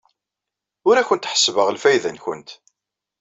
Ur awent-ḥessbeɣ lfayda-nwent.